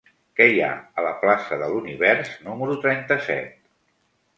Què hi ha a la plaça de l'Univers número trenta-set?